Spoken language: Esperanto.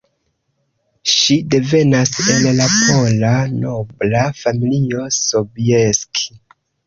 Ŝi devenas el la pola nobla familio Sobieski.